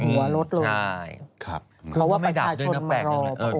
เพราะว่าประชาชนมารอพระองค์เพราะว่าไม่ดับเรื่องก็แปลกอย่างนั้น